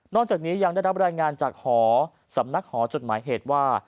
จากนี้ยังได้รับรายงานจากหอสำนักหอจดหมายเหตุว่า